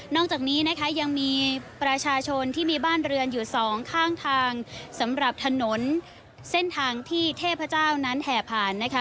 จากนี้นะคะยังมีประชาชนที่มีบ้านเรือนอยู่สองข้างทางสำหรับถนนเส้นทางที่เทพเจ้านั้นแห่ผ่านนะคะ